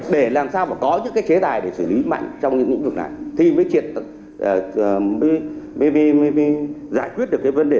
để làm sao mà có những cái chế tài để xử lý mạnh trong những vấn đề này thì mới triệt tự giải quyết được cái vấn đề